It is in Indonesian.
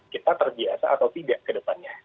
kita terbiasa atau tidak ke depannya